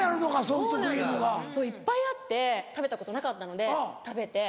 そういっぱいあって食べたことなかったので食べて。